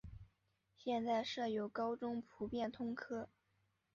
现在设有高中部普通科。